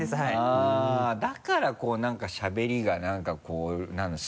あっだからこう何かしゃべりが何かこうなんだ？